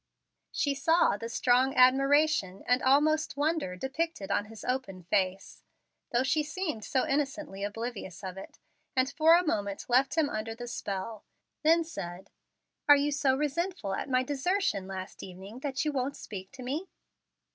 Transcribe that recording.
She saw the strong admiration and almost wonder depicted on his open face, though she seemed so innocently oblivious of it, and for a moment left him under the spell, then said, "Are you so resentful at my desertion last evening that you won't speak to me?"